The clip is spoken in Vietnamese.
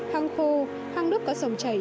hang khô hang nước có dòng chảy